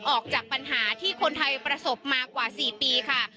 ออกจากปัญหาที่คนไทยประสบมากว่า๔ปีค่ะ